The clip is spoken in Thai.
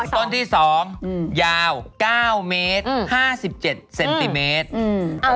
ต้นที่๒ยาว๙เมตร๕๗เซนติเมตร